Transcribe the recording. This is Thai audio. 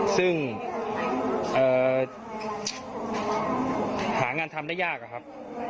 ซึ่งหางานทำได้ยากอะครับ